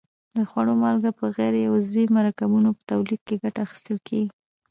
د خوړو مالګه په غیر عضوي مرکبونو په تولید کې ګټه اخیستل کیږي.